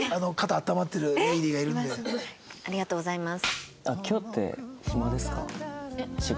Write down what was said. ありがとうございます。